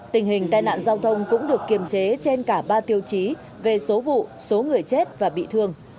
tình hình tai nạn giao thông cũng được kiềm chế trên cả ba tiêu chí về số vụ số người chết và bị thương